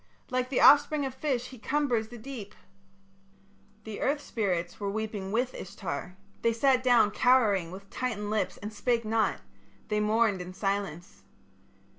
Like the offspring of fish he cumbers the deep.' "The earth spirits were weeping with Ishtar: they sat down cowering with tightened lips and spake not; they mourned in silence.